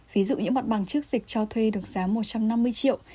ví dụ những mặt bằng trước dịch cho thuê được giá một trăm năm mươi triệu